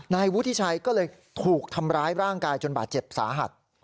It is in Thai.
นายวุฒิชัยก็เลยถูกทำร้ายร่างกายจนบาดเจ็บสาหัส